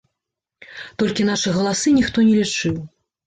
Толькі нашы галасы ніхто не лічыў.